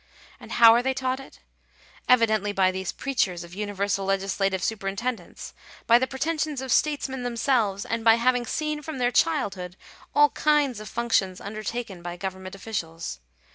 And how are they taught it? Evidently by these preachers of universal legislative superintendence — by the pretensions of statesmen themselves — and by having seen, from their childhood, all kinds of functions undertaken by government officials.